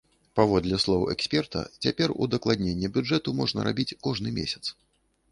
Паводле слоў эксперта, цяпер удакладненне бюджэту можна рабіць кожны месяц.